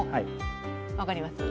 分かります？